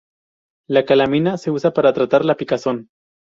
La calamina se usa para tratar la picazón.